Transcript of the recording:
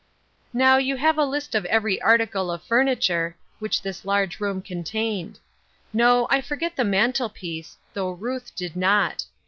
Now, you have a list of every article of furni ture which this large room contained. No, I for get the mantle piece, though Ruth did not.